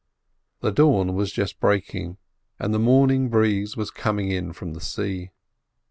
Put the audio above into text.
The dawn was just breaking, and the morning breeze was coming in from the sea.